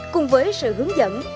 cùng với sự hướng dẫn